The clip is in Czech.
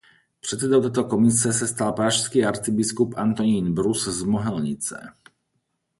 Předsedou této komise se stal pražský arcibiskup Antonín Brus z Mohelnice.